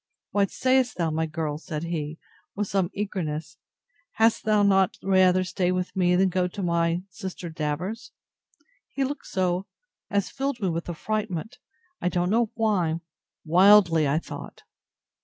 What say'st thou, my girl? said he, with some eagerness; had'st thou not rather stay with me, than go to my sister Davers? He looked so, as filled me with affrightment; I don't know how; wildly, I thought.